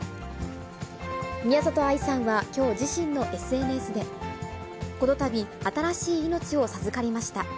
宮里藍さんは、きょう自身のＳＮＳで、このたび、新しい命を授かりました。